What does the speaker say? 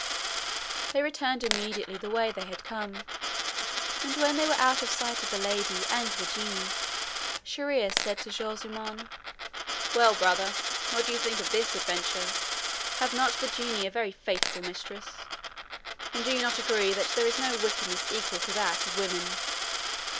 They returned immediately the way they had come, and when they were out of sight of the lady and the genie Shier ear said to Shaw zummaun "Well, brother, what do you think of this adventure? Has not the genie a very faithful mistress? And do you not agree that there is no wickedness equal to that of women?"